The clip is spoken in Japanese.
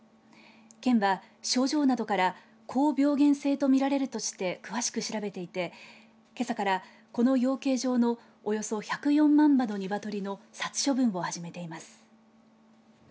県は症状などから高病原性と見られるとして詳しく調べていて、けさからこの養鶏場のおよそ１０４万羽の鶏の殺処分を始めています。